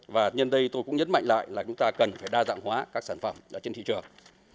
và nhân đây tôi cũng nhấn mạnh lại là chúng ta cần phải đa dạng hóa các sản phẩm trên thị trường